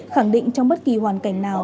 khẳng định trong bất kỳ hoàn cảnh nào